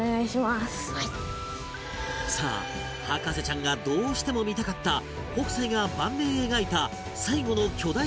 さあ博士ちゃんがどうしても見たかった北斎が晩年描いた最期の巨大作品とは？